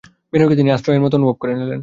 বিনয়কে তিনি আশ্রয়ের মতো অনুভব করিলেন।